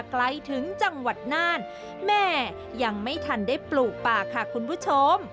ใกล้ถึงจังหวัดน่านแม่ยังไม่ทันได้ปลูกป่าค่ะคุณผู้ชม